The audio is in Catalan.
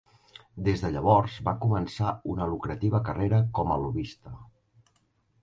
Des de llavors va començar una lucrativa carrera com a lobbista.